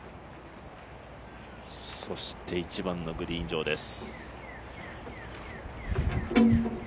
そして１番のグリーン上です。